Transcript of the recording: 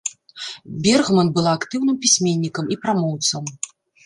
Бергман была актыўным пісьменнікам і прамоўцам.